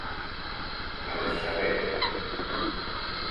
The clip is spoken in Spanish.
Al saber.